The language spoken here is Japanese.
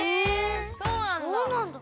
そうなんだ。